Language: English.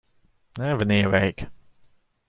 I have an earache